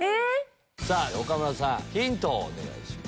さぁ岡村さんヒントをお願いします。